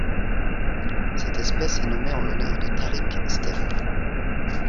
Cette espèce est nommée en l'honneur de Tariq Stévart.